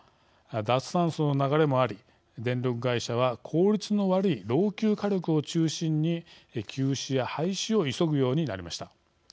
脱炭素の流れもあり電力会社は効率の悪い老朽火力を中心に、休止や廃止を急ぐようになりました。